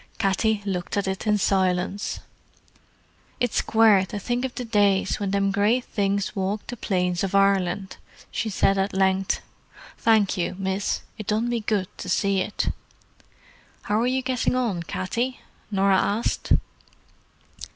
Katty looked at it in silence. "It's quare to think of the days when them great things walked the plains of Ireland," she said at length. "Thank you, miss: it done me good to see it." "How are you getting on, Katty?" Norah asked.